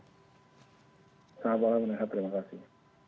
selamat malam renhat terima kasih